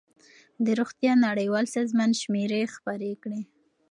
د روغتیا نړیوال سازمان شمېرې خپرې کړې.